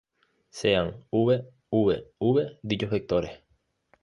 Sean "v", "v", "v" dichos vectores.